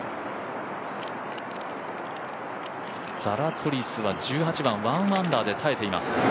ザラトリスは１８番１アンダーで耐えています。